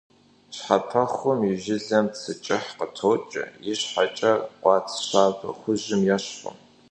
Щхьэпэхум и жылэм цы кӀыхь къытокӀэ, и щхьэкӀэр «къауц» щабэ хужьым ещхьу.